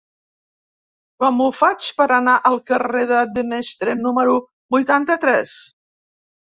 Com ho faig per anar al carrer de Demestre número vuitanta-tres?